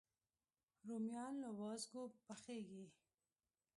رومیان له وازګو پاکېږي